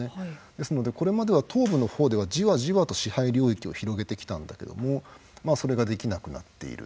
ですのでこれまでは東部の方ではじわじわと支配領域を広げてきたんだけれどもそれができなくなっている。